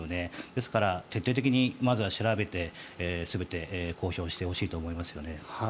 ですから、徹底的にまずは調べて全て公表してほしいと思いますよね。